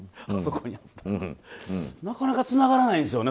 なかなかつながらないんですよね